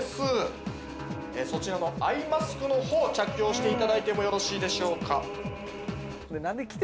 そちらのアイマスクの方着用していただいてもよろしいでしょうか？